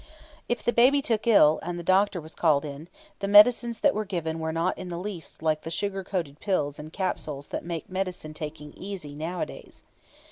If baby took ill, and the doctor was called in, the medicines that were given were not in the least like the sugar coated pills and capsules that make medicine taking easy nowadays.